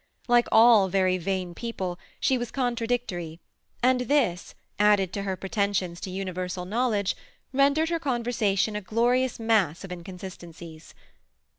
Like all very vain people, she was contradictory; and this, added to her pretensions to universal knowledge, rendered her conversation a glo rious mass of inconsistencies.